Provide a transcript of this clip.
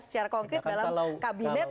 secara konkret dalam kabinet